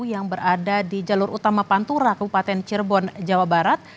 yang berada di jalur utama pantura kabupaten cirebon jawa barat